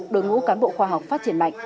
đội ngũ cán bộ khoa học phát triển mạnh